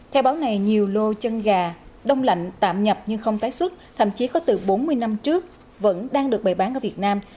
theo báo này nhiều lô chân gà đông lạnh tạm nhập nhưng không tái xuất thậm chí có từ bốn mươi năm trước vẫn đang được bày bán ở việt nam